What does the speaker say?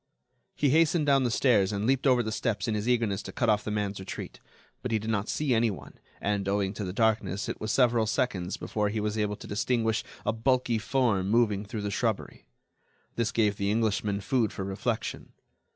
He hastened down the stairs and leaped over the steps in his eagerness to cut off the man's retreat. But he did not see anyone, and, owing to the darkness, it was several seconds before he was able to distinguish a bulky form moving through the shrubbery. This gave the Englishman food for reflection.